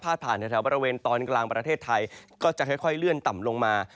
ผ่านแถวบริเวณตอนกลางประเทศไทยก็จะค่อยเลื่อนต่ำลงมา